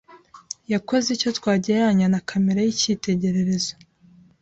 yakoze icyo twagereranya na kamera y’ikitegererezo